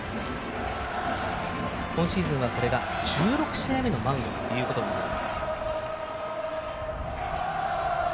今シーズンはこれが１６試合目のマウンドになります。